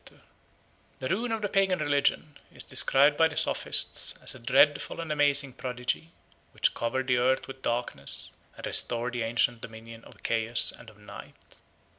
] The ruin of the Pagan religion is described by the sophists as a dreadful and amazing prodigy, which covered the earth with darkness, and restored the ancient dominion of chaos and of night.